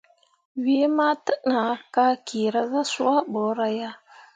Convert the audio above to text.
Wee ma təʼnah ka kyeera zah swah bəəra ya.